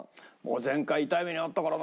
前回痛い目に遭ったからな。